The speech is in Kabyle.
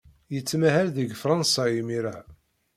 Yettmahal deg Fṛansa imir-a.